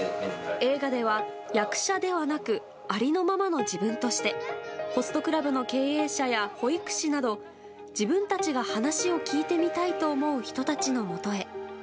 映画では、役者ではなくありのままの自分としてホストクラブの経営者や保育士など自分たちが話を聞いてみたいと思う人たちのもとへ。